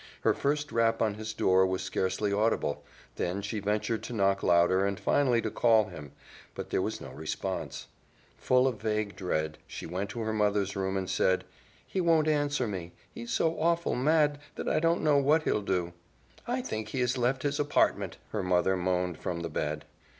Her first rap on his door was scarcely audible, then she ventured to knock louder and finally to call him, but there was no response. Full of vague dread she went to her mother's room and said, "He won't answer me. He's so awful mad that I don't know what he'll do." "I think he has left his apartment," her mother moaned from the bed.